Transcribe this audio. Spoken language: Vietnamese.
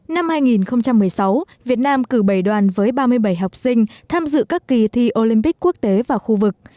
năm hai nghìn một mươi sáu việt nam cử bảy đoàn với ba mươi bảy học sinh tham dự các kỳ thi olympic quốc tế và khu vực